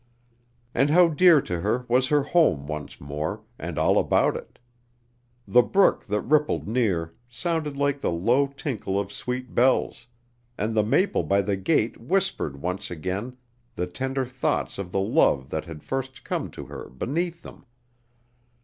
And how dear to her was her home once more, and all about it! The brook that rippled near sounded like the low tinkle of sweet bells, and the maple by the gate whispered once again the tender thoughts of the love that had first come to her beneath them.